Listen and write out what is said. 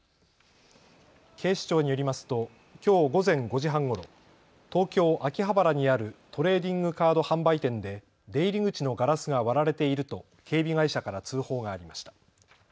警視庁によりますときょう午前５時半ごろ、東京秋葉原にあるトレーディングカード販売店で出入り口のガラスが割られていると警備会社から通報がありました。